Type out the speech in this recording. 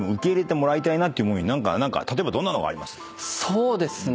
そうですね。